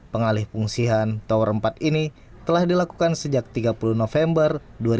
pengalih fungsian tower empat ini telah dilakukan sejak tiga puluh november dua ribu dua puluh